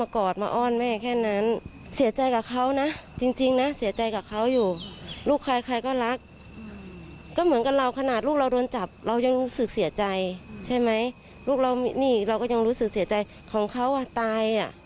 ครั้งนี้เราก็ยังรู้สึกเสียใจของเขาตาย